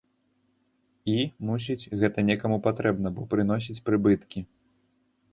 І, мусіць, гэта некаму патрэбна, бо прыносіць прыбыткі.